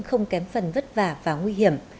không kém phần vất vả và nguy hiểm